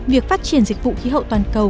việc phát triển dịch vụ khí hậu toàn cầu